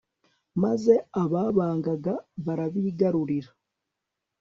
maze ababangaga, barabigarurira